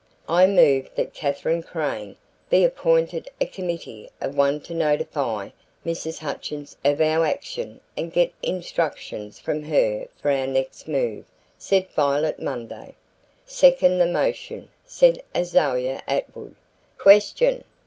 "I move that Katherine Crane be appointed a committee of one to notify Mrs. Hutchins of our action and get instructions from her for our next move," said Violet Munday. "Second the motion," said Azalia Atwood. "Question!"